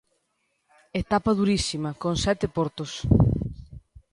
Etapa durísima, con sete portos.